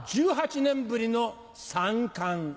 １８年ぶりの三冠。